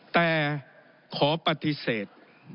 แต่ขอปฏิเสธ